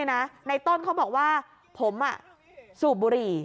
ในต้นเขาบอกว่าผมสูบบุหรี่